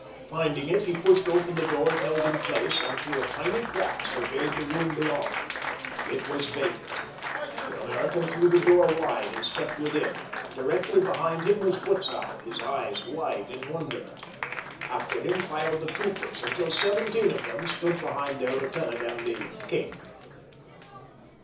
Finding it he pushed open the door it held in place, and through a tiny crack surveyed the room beyond. It was vacant. The American threw the door wide and stepped within. Directly behind him was Butzow, his eyes wide in wonderment. After him filed the troopers until seventeen of them stood behind their lieutenant and the "king."